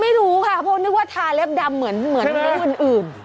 ไม่รู้ค่ะเพราะนึกว่าทาเล็บดำเหมือนเรื่องอื่น